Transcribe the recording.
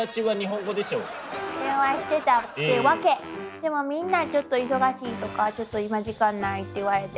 でもみんなちょっと忙しいとかちょっと今時間ないって言われて。